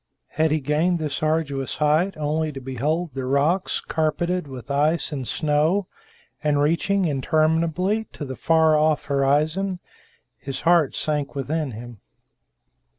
Had he gained this arduous height only to behold the rocks carpeted with ice and snow, and reaching interminably to the far off horizon? His heart sank within him.